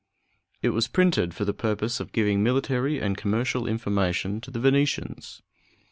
It was printed for the purpose of giving military and commercial information to the Venetians.